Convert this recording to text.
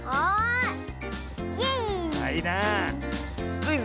「クイズ！